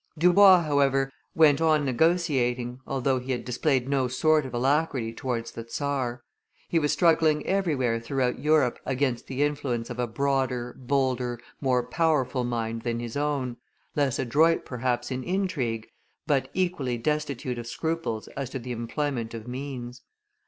Dubois, however, went on negotiating, although he had displayed no sort of alacrity towards the czar; he was struggling everywhere throughout Europe against the influence of a broader, bolder, more powerful mind than his own, less adroit perhaps in intrigue, but equally destitute of scruples as to the employment of means.